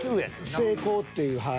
成功っていうはい。